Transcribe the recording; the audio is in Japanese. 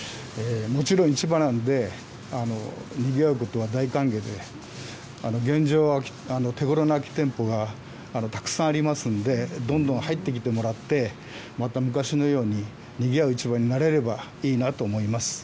もちろん市場なんで、にぎわうことは大歓迎で、現状は手ごろな空き店舗がたくさんありますんで、どんどん入ってきてもらって、また昔のようににぎわう市場になれればいいなと思います。